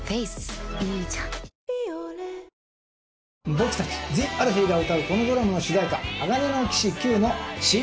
僕たちＴＨＥＡＬＦＥＥが歌うこのドラマの。